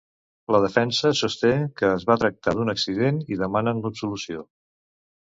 La defensa sosté que es va tractar d'un accident i demanen l'absolució.